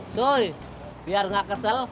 suy biar gak kesel